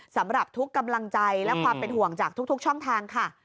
สำหรับทุกกำลังใจและความเป็นห่วงจากทุกช่องทางค่ะ